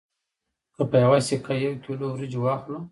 که په یوه سکه یو کیلو وریجې واخلو